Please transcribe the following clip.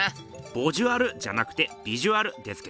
ボジュアルじゃなくてビジュアルですけどね。